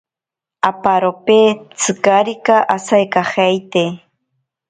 Aparope tsikarika asaikajeite.